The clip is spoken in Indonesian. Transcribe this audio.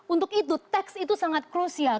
untuk itu tax itu sangat crucial